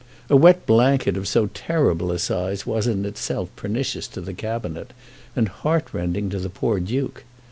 A wet blanket of so terrible a size was in itself pernicious to the Cabinet, and heartrending to the poor Duke.